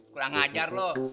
kurang ajar lo